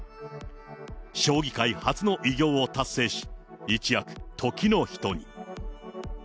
将棋界初の偉業を達成し、一躍、時の人に。